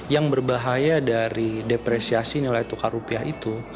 yang berbahaya dari depresiasi nilai tukar rupiah itu